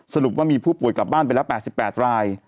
สรุปว่ามีผู้ป่วยกลับบ้านไปแล้ว๘๘ราย